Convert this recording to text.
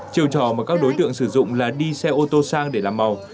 chiều trò mà các đối tượng sử dụng là đi xe ô tô sang để làm màu